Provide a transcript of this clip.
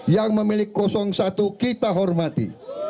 yang memiliki satu kita hormati